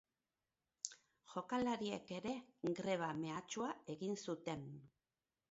Jokalariek ere greba mehatxua egin zuten.